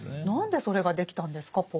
何でそれができたんですか？